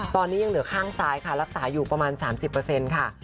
ตอนนี้ยังเหลือข้างซ้ายค่ะรักษาอยู่ประมาณ๓๐ค่ะ